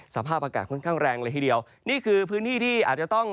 สภาพอากาศค่อนข้างแรงเลยทีเดียวนี่คือพื้นที่ที่อาจจะต้อง